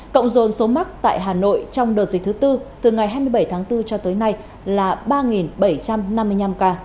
cộng dồn số mắc tại hà nội trong đợt dịch thứ tư từ ngày hai mươi bảy tháng bốn cho tới nay là ba bảy trăm năm mươi năm ca